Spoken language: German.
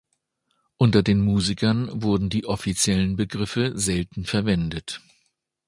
Unter den Musikern wurden die offiziellen Begriffe selten verwendet.